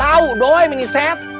tau doai miniset